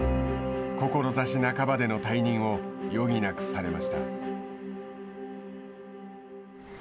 志半ばでの退任を余儀なくされました。